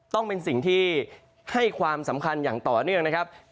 ต้องเป็นสิ่งที่ให้ความสำคัญอย่างต่อเนื่องนะครับ